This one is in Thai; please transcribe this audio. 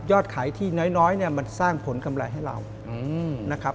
ยอดขายที่น้อยมันสร้างผลกำไรให้เรา